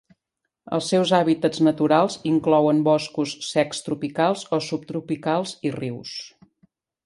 Els seus hàbitats naturals inclouen boscos secs tropicals o subtropicals i rius.